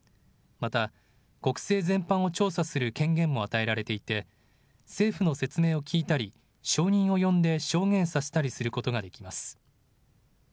また国政全般を調査する権限も与えられていて政府の説明を聞いたり証人を呼んで証言させたりすることができます。